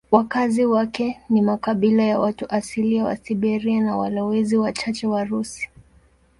Wakazi wake ni makabila ya watu asilia wa Siberia na walowezi wachache Warusi.